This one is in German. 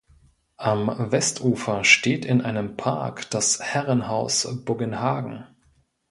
Am Westufer steht in einem Park das Herrenhaus Buggenhagen.